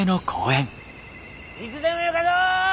いつでもよかぞ！